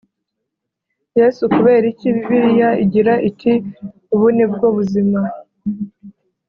Yesu kubera iki bibiliya igira iti ubu ni bwo buzima